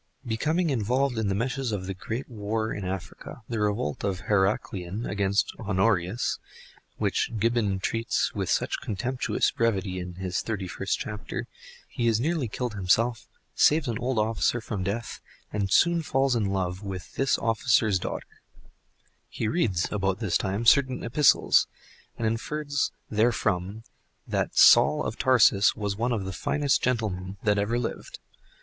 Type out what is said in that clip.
Becoming involved in the meshes of the great war in Africa—that revolt of Heraclian against Honorius which Gibbon treats with such contemptuous brevity in his thirty first chapter—he is nearly killed himself, saves an old officer from death and soon falls in love with this officer's daughter. He reads about this time certain epistles, and infers therefrom that Saul of Tarsus was one of the finest gentlemen that ever lived.